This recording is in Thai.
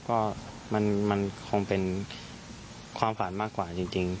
ก็มันคงเป็นความฝันมากกว่าจริง